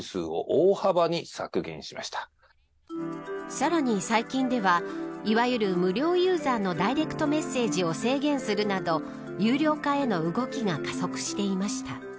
さらに最近ではいわゆる無料ユーザーのダイレクトメッセージを制限するなど有料化への動きが加速していました。